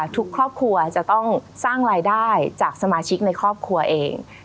ทุกครอบครัวจะต้องสร้างรายได้จากสมาชิกในครอบครัวเอง